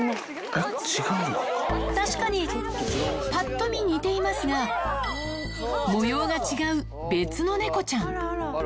えっ、確かに、ぱっと見似ていますが、模様が違う別の猫ちゃん。